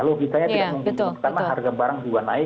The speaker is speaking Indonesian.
logikanya tidak mungkin karena harga barang juga naik